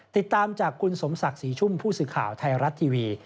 ติดตามจากคุณสมศักดิ์ศรีชุ่มผู้สื่อข่าวไทยรัฐทีวี